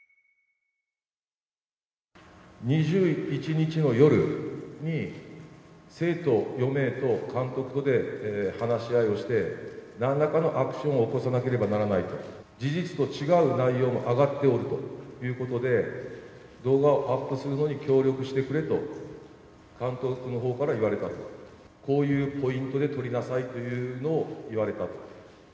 ２１日の夜に生徒４名と監督とで話し合いをして、なんらかのアクションを起こさなければならないと、事実と違う内容も上がっておるということで、動画をアップするのに協力してくれと、監督のほうから言われたと、こういうポイントで撮りなさいというのを言われたと。